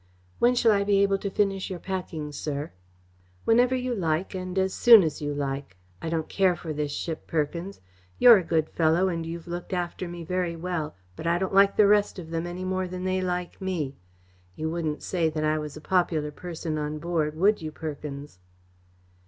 "When shall I be able to finish your packing, sir?" "Whenever you like and as soon as you like. I don't care for this ship, Perkins. You're a good fellow and you've looked after me very well, but I don't like the rest of them any more than they like me. You wouldn't say that I was a popular person on board, would you, Perkins?"